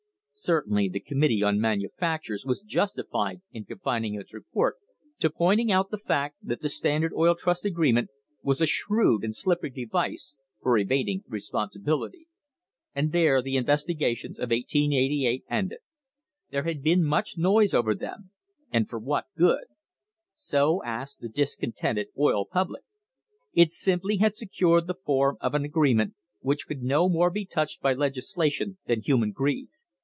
Certainly the Committee on Manufactures was justified in confining its report to pointing out the fact that the Standard Oil Trust agreement was a shrewd and slippery device for evading responsibility. And there the investigations of 1888 ended. There had been much noise over them, and for what good? So asked the dis contented oil public. It simply had secured the form of an agreement which could no more be touched by legislation than human greed.